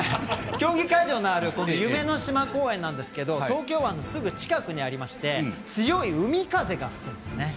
競技会場のある夢の島公園なんですけど東京湾のすぐ近くにありまして強い海風が吹くんですね。